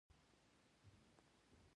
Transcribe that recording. ملت باید همکاري وکړي